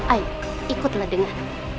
ayo ikutlah dengan